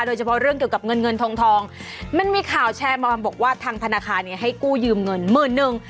โดยเฉพาะเรื่องเกี่ยวกับเงินเงินทองทองมันมีข่าวแชร์มาบอกว่าทางธนาคารเนี่ยให้กู้ยืมเงินหมื่นหนึ่ง